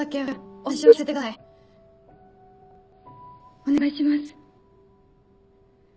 お願いします。